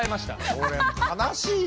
俺悲しいよ。